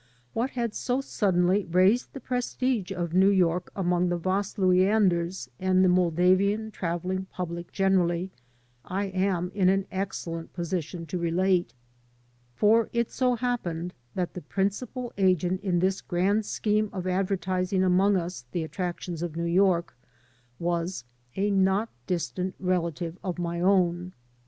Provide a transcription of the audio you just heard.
What had so suddenly raised the prestige of New York among the Vasluianders and the Moldavian traveling public generally, I am in an excellent position to relate, for it so happened that the principal agent in this grand scheme of advertising among us the attrac tions of New York was a not distant relative of my own.